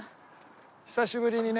久しぶりにね。